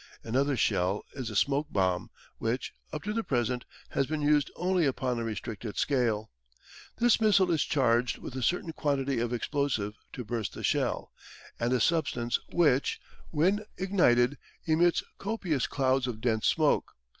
Another shell is the smoke bomb, which, up to the present, has been used only upon a restricted scale. This missile is charged with a certain quantity of explosive to burst the shell, and a substance which, when ignited, emits copious clouds of dense smoke.